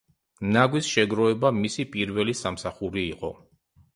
ნაგვის შეგროვება მისი პირველი სამსახური იყო.